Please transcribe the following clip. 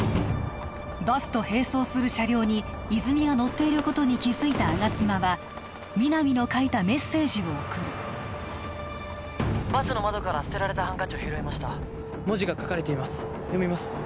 バスと並走する車両に泉が乗っていることに気づいた吾妻は皆実の書いたメッセージを送るバスの窓から捨てられたハンカチを拾いました文字が書かれています読みます